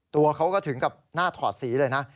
ตัวเขาก็ถึงกับหน้าถอดสีเลยนะ